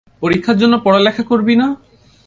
পরীক্ষার জন্য পড়ালেখা করবি না?